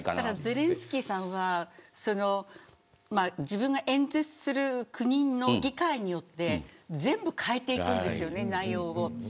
ただ、ゼレンスキーさんは自分の演説する国の議会によって全部変えていくんです、内容を。